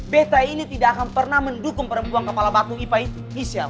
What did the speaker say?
bete ini tidak akan pernah mendukung perempuan kepala batu ipa itu michelle